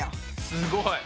すごい。